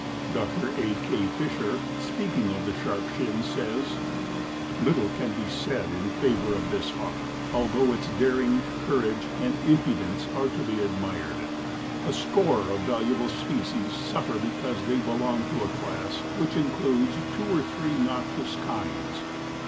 Dr. A. K. Fisher, speaking of the Sharp shin, says: "Little can be said in favor of this hawk, although its daring, courage and impudence are to be admired. A score of valuable species suffer because they belong to a class which includes two or three noxious kinds.